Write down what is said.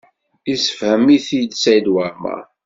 Yessefhem-it-id Saɛid Waɛmaṛ.